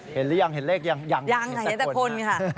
เห็นหรือยังเลขยังเห็นสักคน